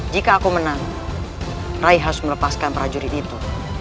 jika aku menang rai harus melepaskan prajurit itu